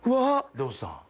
どうした？